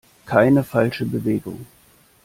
Keine falsche Bewegung!